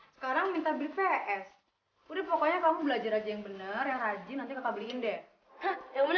sekarang minta bps udah pokoknya kamu belajar aja yang bener yang rajin nanti kakak beliin deh ya